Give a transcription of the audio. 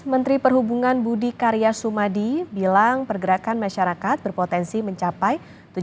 menteri perhubungan budi karya sumadi bilang pergerakan masyarakat berpotensi mencapai